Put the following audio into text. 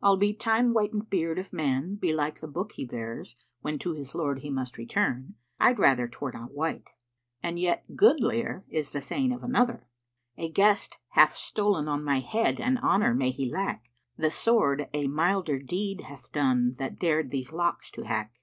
Albe Time whitened beard of man be like the book he bears[FN#462] * When to his Lord he must return, I'd rather 'twere not white,' And yet goodlier is the saying of another, 'A guest hath stolen on my head and honour may he lack! * The sword a milder deed hath done that dared these locks to hack.